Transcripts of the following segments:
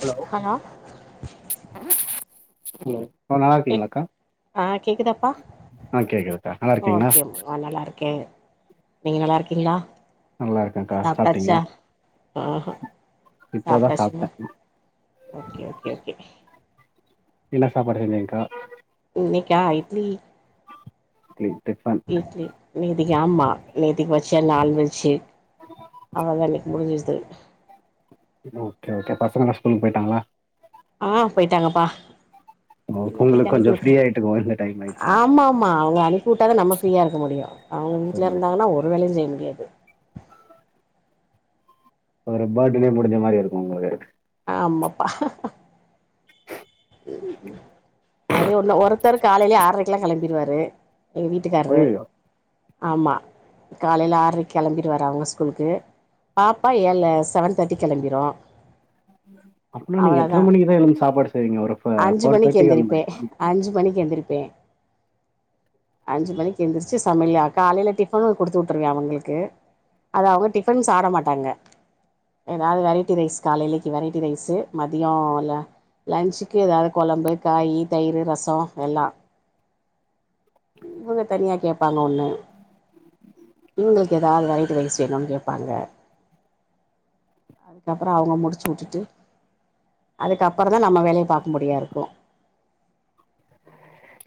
Hello அ கேக் நல்லாருக்கீங்ளாக்கா ஆ கேக்குதாப்பா நல்லா இருக்கீங்களா ஓகேம் நல்லார்க்கே நீங்க நல்லாருக்கீங்ளா நல்லா இருக்கேன்க்கா சாப்டாச்சா சாப்ட்டீங்களா ஆஹா இப்போதா சாப்டாச்சு சாப்ட்டே மா ஓகே ஓகே ஓகே என்னா சாப்பாடு செஞ்சேங்க்கா இன்னைக்கா இட்லி ட்லி இட்லி நேதிகி ஆம்மா நேத்திக் வச்ச நான்வெஜி அவலதா இன்னைக் முடிஞ்சிருச் தோழி ஓகே ஓகே பசங்களா ஸ்கூலுக் போயிட்டாங்களா ஆ போய்டாங்கப்பா ஓ உங்களுக் கொஞ்ச ஃப்ரீ ஆயிட்டுக்கு ஒட்னே ஆமா ஆமா அவுங்கள அனிப்பூட்டாதா நம்ம ஃப்ரீயா இருக்க முடியு அவுங்க வீட்ல இருந்தாங்னா ஒரு வேளையு செய் முடி யது ஒரு பஃர்டனே முடிஞ்ச மாரி இருக்கு உங்களுக்கு அம்மப்பா அது உள்ள ஒருத்தர் காலைலியே ஆர்ரைக் ட்லா கெளம்பிருவாரு எங்க வீட்டுக்கார்ரு அய்யய்யோ ஆம்மா காலைல ஆர்ரைக் கெளம்பிருவாரு அவுங்க ஸ்கூலுக்கு பாப்பா ஏழ செவன் தேர்ட்டிக் கெளம்பிரு அப்னா நீங்க அவ்வளோதா எத்தன மணிக்குதா எழுந்து சாப்பாடு செய்வீங்க ஒரு ஃப அஞ்சு ஃபோர் மணிக்கு தேர்ட்டிக்கு அந்த எந்திரிப்பே மாரி அஞ்சு மணிக்கு எந்திரிப்பே அஞ்சு மணிக்கு எந்திரிச்சு சமையிலா காலைல டிஃபனு குடுத்தூட்ருவ அவங்களுக்கு அத அவுங்க டிஃபன் சாப்ட மாட்டாங்க எதாவது வெரைட்டி ரைஸ் காலைலிக்கி வெரைட்டி ரைஸ்சு மதியோ ல லன்ச்க் கு ஏதாவது கொழம்பு காயி தயிரு ரச எல்லா இவுங்க தனியா கேப்பாங்க ஒன்னு இவுங்களுக்கு ஏதாவது வெரைட்டி ரைஸ் வேணுன் கேப்பாங்க அதுக்கப்பற அவுங்க முடிச்சு வுட்டுட்டு அதுக்கப்பறந்தா நம்ம வேலைய பாக் முடியாருக்கு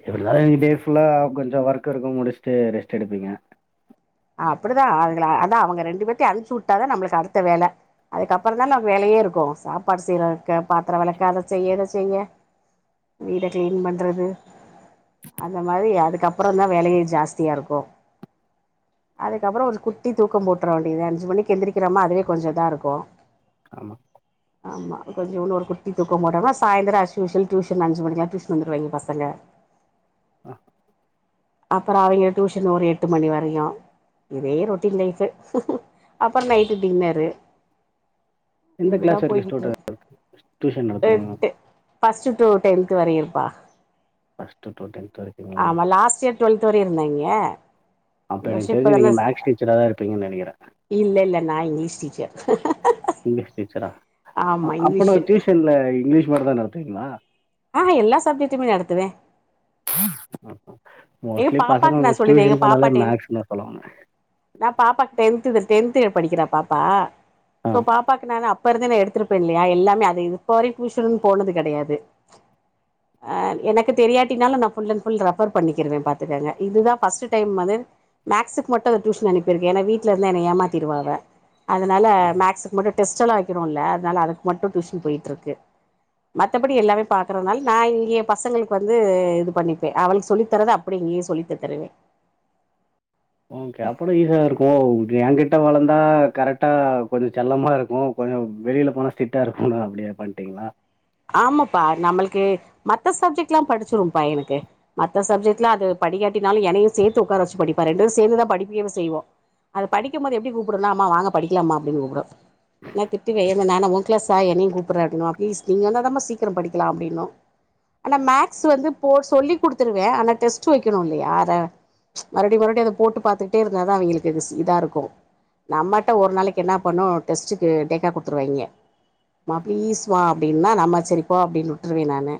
எப்டிதா டே ஃபுல்லா கொஞ்ச ஒர்க் இருக்கு முடிஸ்டு ரெஸ்ட் எடுப்பிங்க அப்புடிதா அதுகள அதா அவங்க ரெண்டு பேத்தியு அன்சுட்டாதா நம்மளுக்கு அடுத்த வேல அதுக்கப்பறந்தான நம்கு வேலையேருக்கு சாப்பாடு செய்றக்க பாத்திர வெளக்க அத செய்ய இத செய்ய வீட கிளீன் பண்றது அந்த மரி அதுக்கப்றந்தா வேலையே ஜாஸ்தியாருக்கு அதுக்கப்றோ ஒரு குட்டி தூக்கோ போட்ற வேண்டிதா அஞ்சு மணிக்கு எந்திரிக்றமா அதுவே கொஞ்சோ இதாருக்கு ஆமா ஆமா கொஞ்சோன் ஒரு குட்டி தூக்கோ போட்டமா சாய்ந்தரோ ஆஸ்யூஷ்வல் ட்யூஷன் அஞ்சு மணிக்லா ட்யூஷன் வந்துருவாய்ங்க பசங்க ஆ அப்பறோ அவிங்க டூஷன் ஒரு எட்டு மணி வர யு இதே ரொட்டின் லைஃபு அப்றோ நைட்டு டின்னரு எந்த இப்டி தா கிளாஸ் வரைக்கு போய்கிட்டு ஸ்டூடெ டியூஷன் நடத்துறீங்க [unintelligible] ஃப்ஸ்ட்டு டூ டென்த்து வரயு ப்பா ஃபர்ஸ்ட் டூ டென்த் வரைக்குங்களா ஆமா லாஸ்ட் இயர் டுவெல்த் வரையு இருந்தாய்ங்க அப்ப எனக்கு மோஸ்லி தெரிஞ்சு இப்பதான நீங்க ச மேக்ஸ் டீச்சரா தான் இருப்பீங்கன்னு நெனைக்கிறேன். இல்ல இல்ல நா இங்க்லீஷ் டீச்சர் இங்க்லீஷ் டீச்சரா ஆமா அ அப்பனா இங்கிலீஷு டியூஷன்ல இங்க்லீஷ் மட்டுதா நடத்வீங்ளா ஆ ஹா எல்லா சப்ஜெட்டுமே நடத்துவே [unintelligible] எக மோஸ்ட்லி பாப்பாக்கு நா பசங்க சொல்லுதே டியூஷன் எங் பாப்பா போனாலே டென்த் மேக்ஸ்ன்னு தான் சொல்லுவாங்க. நா பாப்பாக் டென்த்து டென்த்து படிக்குறா பாப்பா ஆ. சோ பாப்பாக்கு நானு அப் ப்பருந்தே நா எடுத்திருப்பே இல்லையா எல்லாமே அது இப்போ வரையு டூஷன்னு போனது கெடையாது ஆ எனக்கு தெரியாட்டினாலு நா ஃபுல் அண்ட் ஃபுல் ரெஃபர் பண்ணிக் த்துருவே பாத்துக்கங்க இதுதா பஸ்ட்டு டைம் வந்து மேக்ஸ்க்கு மட்டு டுஷன் அனுப்பிருக்கே ஏனா வீட்ல இருந்தா என்ன ஏமாத்தி கிருவா அவ அதனால மேக்ஸ்க்கு மட்டு டெஸ்ட்டெல்லா வெக்கிறோல்ல அதனால அதுக் மட்டு டூஷன் போயிட்ருக்கு மத்தபடி எல்லாமே பாக்கறதுனால நா இங்கே பசங்களுக்கு வந்து இது பண்ணிப்பே அவளுக் சொல்லி தரத அப்டே இங்கே சொல்லி தந்துருவே ஓகே அப்பனா ஈசியாதாருக்கு என்கிட்ட வளந்தா கரெட்டா கொஞ்சோ செல்லமா இருக்கு கொ ஓ வெளில போனா ஸ்டிட்டா இருக்குணு அப்டே பண்ட்டீங்ளா ஆமாப்பா நம்முளுக்கு மத்த சப்ஜெக்ட்லா படிச்சிரும் ப்பா எனக்கு மத்த சப்ஜெக்ட்லா அது படிகாட்டானாலு என்னையு சேத்து உக்கார வச்சு படிப்பா ரெண்டு பேரு சேந்து தா படிக்கயே செய்வோ அது படிக்கம் போது எப்டி கூப்டுனா அம்மா வாங்க படிக்கலாம்மா அப்டின் கூப்டு நா திட்டுவே என்ன நா என்ன உன் கிளாஸா என்னையு கூப்புர்ற அப்டின்னுவ அம்மா ப்ளீஸ் நீங்க வந்தா தாம்மா சீக்ரோ படிக்லா அப்டின்னு ஆனா மேக்ஸ் வந்து போ சொல்லி குடுத்துருவே ஆனா டெஸ்ட் வைக்கணு இல்லையா அத மறுபடி மறுபடி அத போட்டு பாத்துகிட்டே இருந்தாதா அவிங்களுக்கு இதாருக்கு நம்மட்ட ஒரு நாளைக்கு என்னா பண்ணு டெஸ்ட்டுக்கு டேக்கா குடுத்துருவாய்ங்க ம்மா பிளீஸ் மா அப்டின்னா நம்ம சரி போ அப்டின் உட்ருவே நானு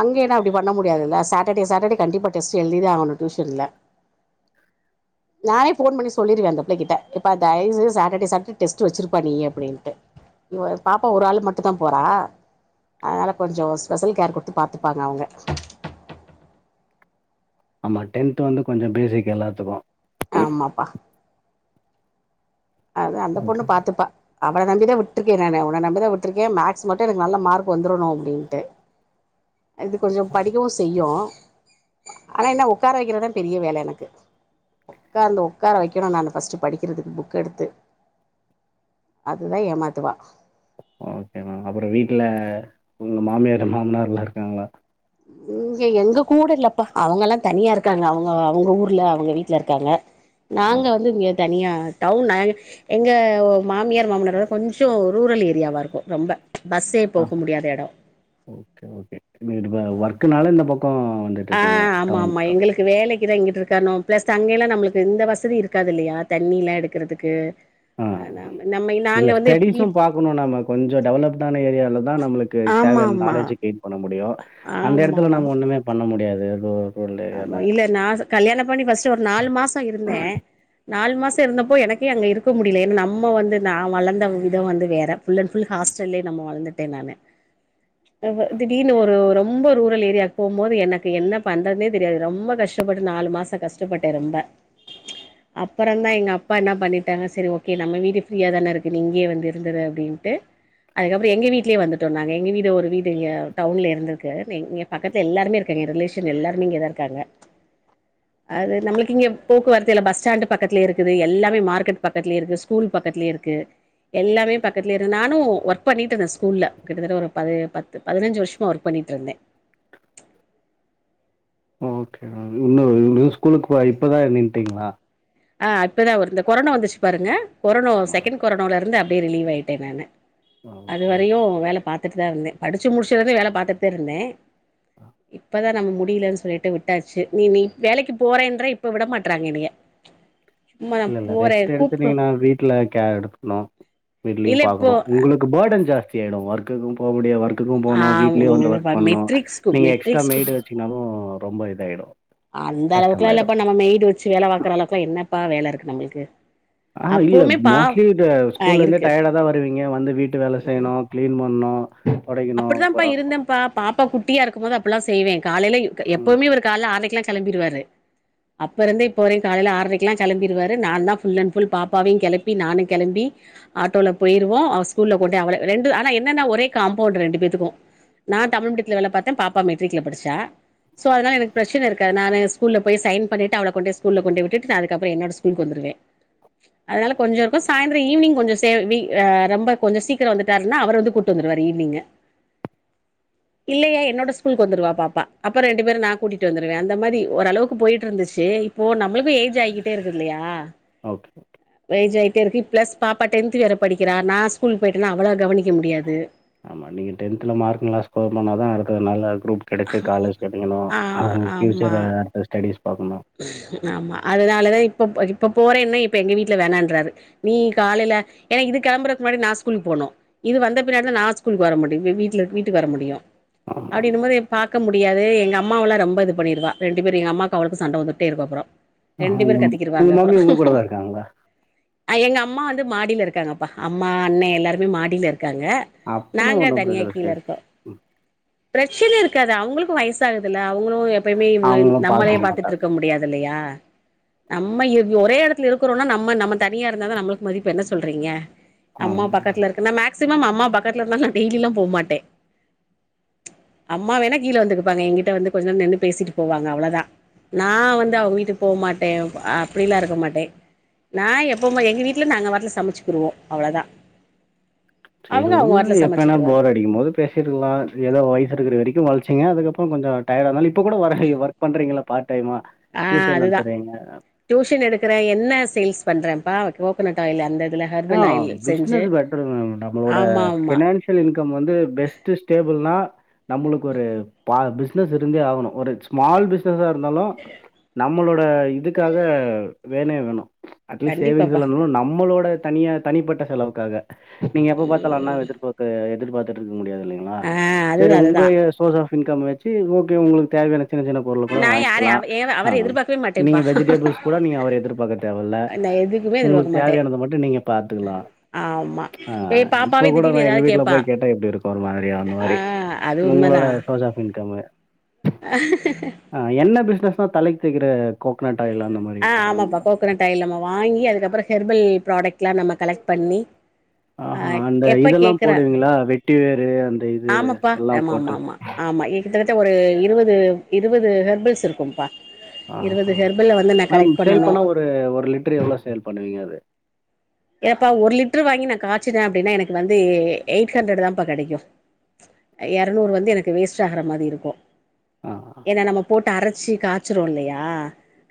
அங்கேன்னா அப்டி பண்ண முடியாதுல்ல சாட்டடே சாட்டடே கண்டிப்பா டெஸ்ட் எழுதிதா ஆகணு டூஷன்ல [inaudible] நானே ஃபோன் பண்ணி சொல்லிருவே அந்த புள்ளைக்கிட்ட எப்பா தய்வு சாட்டடே சாட்டடே டெஸ்ட் வச்சிருப்பா நீயு அப்டின்ட்டு இவ பாப்பா ஒரு ஆள் மட்டு தா போறா அதனால கொஞ்சோ ஸ்பெஷல் கேர் குடுத்து பாத்துப்பாங்க அவுங்க [inaudible] ஆமா டென்த் வந்து கொஞ்சோ பேசிக் எல்லாத்துக்கு ஆமாப்பா அது அந்த ஓகே. பொண்ணு பாத்துப்பா அவள நம்பிதா விட்ருக்கே நானு ஒன்ன நம்பிதா விட்ருக்கே மேக்ஸ் மட்டு எனக்கு நல்ல மார்க் வந்துரணு அப்டின்ட்டு [inaudible] இது கொஞ்சோ படிக்கவு செய்யு ஆனா என்ன ஒக்கார வைக்கறதா பெரிய வேலை எனக்கு ஒக்காந்து ஒக்கார வைக்கணு நானு ஃபஸ்ட்டு படிக்கறதுக்கு புக் கெடுத்து அதுதா ஏமாத்துவா ஓகே மேம் அப்றோ வீட்ல உங்க மாமியார் மாமனார்லா இருக்காங்ளா இங்க எங்க கூடல்லப்பா அவங்கலா தனியாருக்காங்க அவங்க அவங்க ஊர்ல அவங்க வீட்லருக்காங்க ஆ. நாங்க வந்து இங்க தனியா டவுன்னா. எங்க மாமியார் மாமனாரட கொஞ்சொ ரூரல் ஏரியாவா இருக்கு ரொம்ப பஸ்ஸே ஆ. போக முடியாத எட ஒர்க்கனால இந்த பக்கொ வந்துட்ருக்கீங்க டன்ட கீதை இங்கிட்ருக்கனோ பிளஸ் அங்கல்லா நம்மளுக்கு இந்த வசதி இருக்காதுல்லையா தண்ணில்லாம எடுக்கிறதுக்கு ஆ நாம இல்ல ஸ்டடிஸும் பாக்கணு நம்ம கொஞ்ச டெவலப்டான ஏரியாலிலதா நம்மளுக்கு ஆமா தேவையான ஆமா நாலேஜு க பண்ண முடியு அந்த எடத்துல ஆமா நம்ம ஒண்ணுமே பண்ண முடியாது ரூரல் ஏரியால. ஆமா இல்ல நா கல்யாணம் பண்ணி பஸ்ட்டு ஒரு நாலு மாச இருந்தே நாலு மாச. இருந்தப்போ எனக்கே அங்க இருக்க முடியல ஏன்னா நம்ம வந்து நா வளந்த வித வந்து வேற ஃபுல்லன் ஃபுல் ஹாஸ் ஹாஸ்டல்லயே நம்ம வழந்துட்டே நானு ஆஹ திடீர்னு ஒரு ரொம்ப ரூரல் ஏரியாக்கு போம்போது எனக்கு என்ன பண்றனே தெரியாது ரொம்ப கஷ்டப்பட்டு நாலு மாச கஷ்டப்பட்டே ரொம்ப அப்பறந்தா எங்கப்பா என்னா பண்ணிட்டாங்க சரி ஓகே நம்ம வீடு ப்ரீயா தான இருக்கு நீ இங்கே வந்து இருந்தது அப்படின் அன்ட்டு அதுக்கப்புற எங்க வீட்லயே வந்துட்டோ நாங்க எங்க வீடு ஒரு வீடு டவுன்ல இருந்திருக்கு பக்கத்துல எல்லாருமே இருக்கு ஏ ரிலேஷன் எல்லாருமே இங்கதா இருக்காங்க [inaudible] அது நம்மளுக்கு இங்க போக்குவரத்துலே பஸ்டாண்டு பக்கத்துலே இருக்குது எல்லாமே மார்க்கெட் பக்கத்துலே இருக்கு ஸ்கூல் பக்கத்துலயே இருக்கு க எல்லாமே பக்கத்துல இரு நானு ஒர்க் பண்ணிட்டு இருந்தே ஸ்கூல்ல கிட்டத்தட்ட ஒரு பத பதினஞ்சு வருஷமா ஒர்க் பண்ணி தீத்தன்னே [inaudible] ஓகே இன்னு இன்னு ஸ்கூலுக்கு வா இப்பதா நின்ட்டீங்களா ஆ இப்பதா. இந்த கொரோனா வந்துச்சு பாருங்க கொரோனா ஆ செக்கண்ட் கொரோனோல இருந்து அப்டியே ரிலீவ் ஆயிட்டே நானு ஓகே, ஓகே. அதுவரையு வேல பாத்துட்டுதா இருந்தே படிச்சு முடிச்சருந்து வேல பாத்துட்டுதா இருந்தே இப்பதா. நம்ம முடியலன்னு சொல்லிட்டு விட்டாச்சு நீ நீ வேலைக்கு போறேன்ற இப்ப விட மாட்ராங்க என்னைய சும்மா நா இல்ல இல்ல போறே ரெஸ்ட்டு எடுத்து கூப்டு நீங்க நா வீட்டுல கேர் எடுத்துக்கணு வீட்லயு இல்ல இப்போ பாக்கணு உங்களுக்கு பார்டன் ஜாஸ்தி ஆயிடும் ஒர்க்குக்கு போக முடியா ஒர்க் க்கு ஆ போனு வீட்லயு வந்து ஒர்க் பண்ணனு மெட்ரிக்ஸ்கு நீங்க எக்ஸ்டரா மெட்ரிக்ஸ்கு மெய்டுவச்சாலு ரொம்ப இதாயிடு அந்த அளவுக்குல்லா இல்லப்பா நம்ம மெய்டு வச்சு வேல பாக்கற அளவுக்குலா என்னப்பா வேலை இருக்கு நம்மளுக்கு ஆஹா இல்ல அப்பவுமே பா மோஸ்ட்லி த ஆ ஸ்கூல்ல இருந்தே இருக்கு டயர்டா தா வருவீங்க வந்து வீட்டு வேல செய்யணு கிளீன் பண்ணு அப்படிதான்ப்பா இருந்தேன்ப்பா பாப்பா குட்டியா இருக்கும் போது அப்படில்லா செய்வே காலையில ம். எப்பவுமே ஒரு கால ஆரைக்கெல்லா கெளம்பிருவாரு அப்பறருந்தே இப்ப வரையு காலையல ஆறரைக்கெல்லா கெளம்பிருவாறு நாந்தா புல் அண் புல் பாப்பாவையு கெளப்பி நானு கெளம்பி ஆட்டோல போயிருவோ ஸ்கூல்ல கொண்டே அவளே ரெண்டு ஆனா என்னன்ன ஒரே காம்பவுண்ட் ரெண்டு பேத்துக்கு நா தமிழ் மீடித்துல வேல பாத்தே பாப்பா மெட்ரிக்ல படிச்சா சோ அதனால எனக்கு பிரச்சனை இருக்காது நானு ஸ்கூல்ல போய் சைன் பண்ணிட்டு அவள கொண்டு ஸ்கூல்ல கொண்டு விட்டுட்டு அதுக்கப்பற என்னோட ஸ்கூல்க்கு வந்துடு வே அதனால கொஞ்சருக்கு சாய்ந்தர ஈவினிங் கொஞ்ச சேவி ஆ ரெம்ப கொஞ்ச சீக்கிர வந்துட்டாருனா அவரு வந்து கூட்டு வந்துடுவார் ஈவ்னிங்கு [inaudible] இல்லையே என்னோட ஸ்கூலுக்கு வந்துடுவா பாப்பா அப்பற ரெண்டு பேரு நா கூட்டிட்டுந்துடுவே அந்த மாதிரி ஓரளவுக்கு போயிட்ருந்துச்சு இப்போ நம்மளுக்கு ஏஜ் ஆகிட்டேருக்கு இல்லையா ஓகே. ஏஜ் ஆய் ட்டேருக்கு பிளஸ் பாப்பா டென்த் வேற படிக்கிறா நா ஸ்கூலுக்கு போயிட்டேனா அவ்வள கவனிக்க முடியாது ஆமா நீங்க டென்த்ல மார்க் நல்லா ஸ்கோர் பண்ணாதா அடுத்து நல்ல குரூப் கெடச்சி காலேஜ் கெடைக்கணு ஆ அவங்க ஆமா ஃப்யூச்சர்ல அடுத்த ஸ்டடிஸ் ஆமா அதனாலதா இப்ப படிப் இப்ப போறன்ன இப்ப எங்க வீட்ல வேணான்றாரு நீ காலையில ஏனா இது கெளம்பறதுக்கு முன்னாடி நா ஸ்கூலுக்கு போனு இது வந்த பின்னாடிதா நா ஸ்கூலுக்கு வர முடியு வீட்ல வீட்டுக்கு வர முடியு ஆமா. அப்படின்னுபோது பாக்க முடியாது எங்கம்மாவல்லா ரொம்ப இது பண்ணிடுவா ரெண்டு பேரு எங்கம்மாக்கு அவளுக்கு சண் சண்ட வந்துட்டே இருக்கு அப்றோ ஆஹ், ரெண்டு பேரு உங்க கத்திக்குடுவாங்க உங்க அப்றோ மம்மி உங்க கூட தான் இருக்காங்களா? எங்க அம்மா வந்து மாடியில இருக்காங்கப்பா. அம்மா அண்ணே எல்லாருமே மாடியில இருக் காங்க அப்பனா நாங்க ஒண்ணும் தனியா பிரச்சனை இல்ல. கீழே சரி. இருக்கோ பிரச்சனை இருக்காது. அவங்களுக்கு வயசாகுதுல அவங்களு எப்பயுமே இவ் அவங்களும் நம்மளே பார்த்துக்க பாத்துட் மாட்டாங்க. ட்ருக்க முடியாது இல்லையா நம்ம ஒரே எடத்துல இருக்றோனா நம்ம நம்ம தனியா இருந்தாதா நம்மளுக்கு மதிப்பு என்ன சொல்றீங்க. ஆமா. அம்மா பக்கத்துல இருக்குன்னா மேக்சிமம் அம்மா பக்கத்துல இருந்தால நா டெய்லில்லா போ மாட்டே அம்மா வேணா கீழே வந்துக்குப்பாங்க எங்கிட்ட வந்து கொஞ்ச நேம் நின்னு பேசிட்டு போவாங்க அவ்ளதா நா வந்து அவங்க வீட்டுக்கு போமாட்டே அப்டிலா இருக்க மாட்டே நா எப்பவு எங்க வீட்ல நாங்க வரல சமைச்சுக்குவோ அவ்ளதா செரிஉடு எப்பனா போர் அடிக்கு போது பேசிட்ருக்கலா ஏதோ வயசு இருக்கிற வரைக்கு வாழ்க் சரிங்க அதுக்கப்புறோ கொஞ்சோ டயடா இருந்தாலு இப்ப கூட ஒர ஒர்க் பண்றீங்கள பார்ட் டைமா டியூஷன் நடத்துறீங்க எடுக்கிறே எண்ணெ சேல்ஸ் பண்றேன்ப்பா கோகனட் ஆயில் அந்த இது ஆ பிஸ்னஸ் பெட்டரு நம்மளோட ஆமா ஆமா பினான்சியல் இன்கம் வந்து பெஸ்ட்டு ஸ்டேபிள்னா நம்மளுக்கு ஒரு பா பிசினஸ் இருந்தே ஆகணு ஒரு ஸ்மால் பிசினஸ்ஸா இருந்தாலு நம்மளோட இதுக்காக வேனைய வேணு அட்லீஸ்ட் சேவிங்ஸ் கண்டிப்பாப்பா இல்லனாலு நம்மளோட தனியா தனிப்பட்ட செலவுக்காக நீங்க எப்ப பார்த்தாலு அண்ணாவ எதிர்பார்த்து எதிர்பார்த்துட் முடியாது இல்லைங்களா ஆ சரி அதுதா உங்க அதுதா சோர்ஸ் ஆஃப் இன்கம் வச்சு ஓகே உங்களுக்கு தேவையான சின்ன சின்ன பொருளு கூட நா யாரையு வாங்கிக்கலா அவ ஏ ஆ அவர எதிர்பார்க்கவே நீங்க மாட்டேன்ப்பா வெஜிடேபிள்ஸ் கூட நீங்க அவர எதிர்பார்க்க தேவல்ல நா எதுக்குமே உங்களுக்கு எதிர்பார்க்க மாட்டே தேவையானத மட்டு நீங்க பாத் பாத்துக்கலா ஆமா ஆ ஏ இப்ப பாப்பாவே கூட நா திடீர்னு எங்க ஏதாவது வீட்ல கேப்பா போய் கேட்டா எப்டி இருக்கு ஒரு மாதிரியா அந்த ஆ மாரி அது உங்களோட உண்மதா சோர்ஸ் ஆஃப் இன்கமு ம்மா தலக்கி தேக்கிற ஆ ஆமாப்பா கோகனட் தைலம வாங்கி அதுக்கப்புற ஹெர்பல் ப்ராடக்ட் லா நம்ம கலக்ட் பண்ணி ஆஹா ஆ அந்த எப்ப இதெல்லாம் கேக்குற போடுவீங்களா? வெட்டி வேரு அந்த இது ஆமப்பா எல்லாம் ஆமா போட்டு. ஆமா ஆமா ஆ ஆமா கிட்டத்தட்ட ஒரு இருவது இருவது ஹெர்பல்ஸிருக்கும்ப்பா ஆ ஹா மேம் சேல் பண்ணனு பண்ணா ஒரு ஒரு லிட்ரு எவ்ளோ சேல் பண்ணுவீங்க அது ஏப்பா ஒரு லிட்ரு வாங்கி நா காய்சிற அப்டின்னா எனக்கு வந்து எ எயிட் ஹண்ட்ரட் தாம்ப்பா கெடைக்கு எரநூறு வந்து எனக்கு வேஸ்டாகற மாரி இருக்கு ஆ. ஏன்னா நம்ம போட்டு அரச்சி காச்சறோல்லையா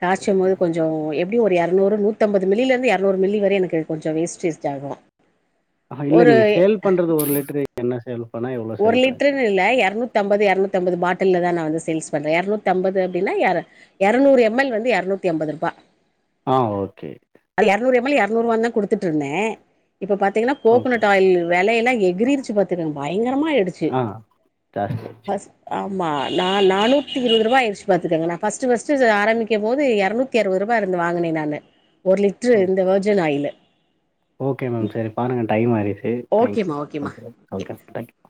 காச்சும் போது கொஞ்சோ எப்டியு ஒரு எரநூறு நூத்தம்பது மில்லிலருந்து எரநூறு மில்லி வர எனக்கு கொஞ்ச வேஸ்டேஜ் ஆகு ஆ இல்ல ஒரு நீங்க சேல் பண்றது ஒரு லிட்ரு என்ன சேல் பண்ணா எவ்ளோ ஒரு சேல் பண்ணுவீங்க? லிட்ருன் இல்ல எரநூத்தம்பது எரநூ தம்பது பாட்டல்லதா நா வந்து சேல்ஸ் பண்ற எரநூத்தம்பது அப்டின்னா எர எரநூறு எம் எல் வந்து எரநூத்தி அம்பது ரூபா ஆ ஓகே நூறுவான்தா குடுத்துட்ருந்தே இப்ப பாத்தீங்னா ஓகே. கோகுனட் ஆயில் வெலையெல்லா எகிரிருச்சு பாத்துக்கங்க பய ங்கரமாயிடுச்சி ஆ ஜாஸ்தியாச்சு. பஸ் ஆ ஆமா நா நானூத்தி இருவுது ரூபாயிருச்சி பாத்துக்கங்க நா ஃபஸ்ட்டு ஃபஸ்ட்டு ஆரம்பிக்கு போது எரநூத்தி அறுவது ரூபா ந்து வாங்கனே நானு ஒரு லிட்ரு ஓகே. இந்த வெர்ஜன் ஆயிலு ஓகே மேம் செரி பாருங்க டைம் ஆயிடுச்சி தேங்க்யூ ஓகேமா ஓகேமா ஓகே ஓகே தேங்க்யூ